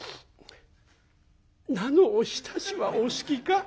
「菜のおひたしはお好きか？」。